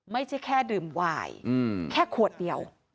ไม่ใช่แค่ดื่มวายแค่ขวดเดียว